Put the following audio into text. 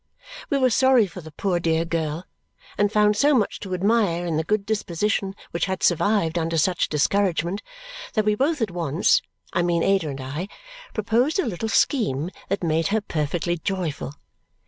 We were sorry for the poor dear girl and found so much to admire in the good disposition which had survived under such discouragement that we both at once (I mean Ada and I) proposed a little scheme that made her perfectly joyful.